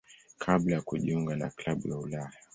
kabla ya kujiunga na klabu ya Ulaya.